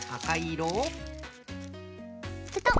ペトッ。